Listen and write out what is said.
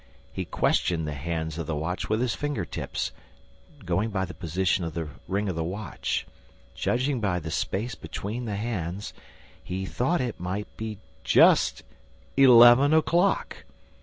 He questioned the hands of the watch with his finger tips, going by the position of the ring of the watch ... Judging by the space between the hands, he thought it might be just eleven o'clock!